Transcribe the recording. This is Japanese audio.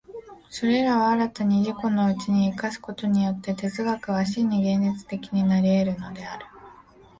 それらを新たに自己のうちに生かすことによって、哲学は真に現実的になり得るのである。